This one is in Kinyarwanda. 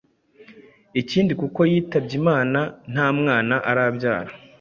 ikindi nuko yitabye Imana ntamwana arabyara.